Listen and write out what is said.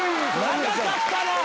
長かったなぁ！